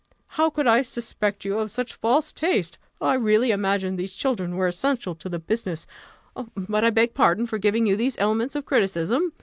How could I suspect you of such false taste! I really imagined these children were essential to the business; but I beg pardon for giving you these elements of criticism.